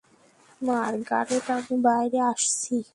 Margaret, আমি বাইরে আসছি।